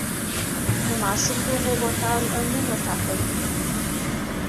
د ماشوم د اوبو بوتل نوم وټاکئ.